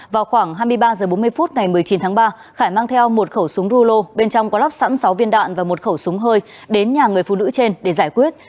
vào khoảng hai mươi ba h bốn mươi phút ngày một mươi chín tháng ba khải mang theo một khẩu súng rulo bên trong có lắp sẵn sáu viên đạn và một khẩu súng hơi đến nhà người phụ nữ trên để giải quyết